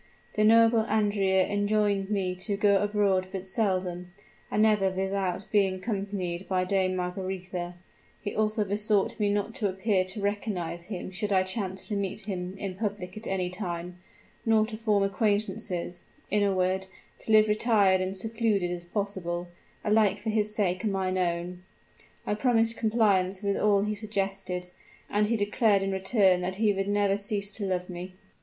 The noble Andrea enjoined me to go abroad but seldom, and never without being accompanied by Dame Margaretha; he also besought me not to appear to recognize him should I chance to meet him in public at any time, nor to form acquaintances; in a word, to live retired and secluded as possible, alike for his sake and my own. I promised compliance with all he suggested, and he declared in return that he would never cease to love me."